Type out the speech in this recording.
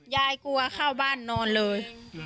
ยายกลัวเข้าบ้านนอนเลย